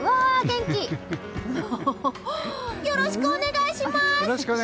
よろしくお願いします！